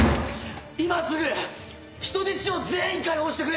今すぐ人質を全員解放してくれ！